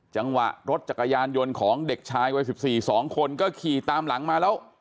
จังหวะรถจักรยานยนต์ของเด็กชายวัย๑๔๒คนก็ขี่ตามหลังมาแล้ว